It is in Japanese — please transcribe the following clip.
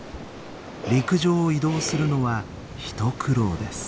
陸上を移動するのは一苦労です。